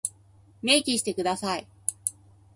明記してください。